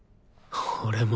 俺も。